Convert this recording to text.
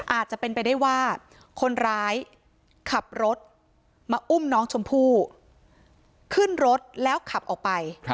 อาจจะเป็นไปได้ว่าคนร้ายขับรถมาอุ้มน้องชมพู่ขึ้นรถแล้วขับออกไป